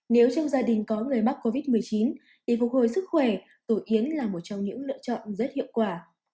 nếu trong gia đình có người mắc covid một mươi chín để phục hồi sức khỏe tử yến là một trong những lựa chọn rất hiệu quả